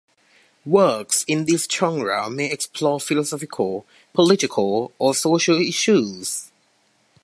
Works in this genre may explore philosophical, political, or social issues.